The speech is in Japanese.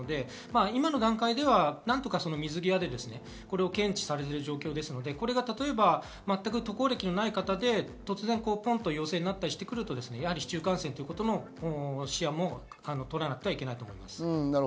今の段階ではなんとか水際で検知される状況ですので、例えば全く渡航歴のない方で突然、ポンと陽性になったりすると市中感染ということもその視野も取らなくてはいけないと思います。